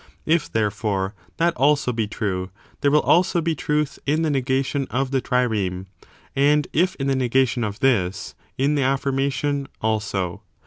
If, therefore, that also be true, there will also be truth in the negation of the trireme ; and if in the negation of this, in the affirmation also.